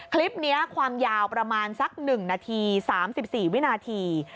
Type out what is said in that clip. คลิปเนี้ยความยาวประมาณสักหนึ่งนาทีสามสิบสี่วินาที